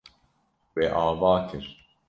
We ava kir.